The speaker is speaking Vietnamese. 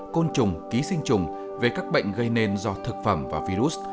côn trùng ký sinh trùng về các bệnh gây nên do thực phẩm và virus